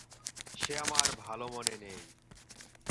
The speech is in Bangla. সে আমার ভালো মনে নেই।